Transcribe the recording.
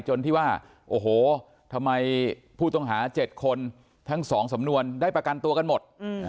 จนที่ว่าโอ้โหทำไมผู้ต้องหา๗คนทั้ง๒สำนวนได้ประกันตัวกันหมด